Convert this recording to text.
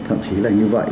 thậm chí là như vậy